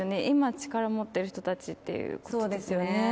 今力持ってる人たちっていうことですよね